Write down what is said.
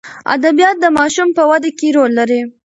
ادبیات د ماشوم په وده کې رول لري.